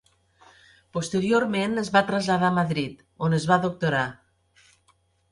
Posteriorment es va traslladar a Madrid, on es va doctorar.